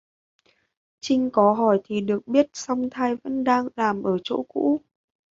Chinh có hỏi thì được biết song trai vẫn đang làm ở chỗ cũ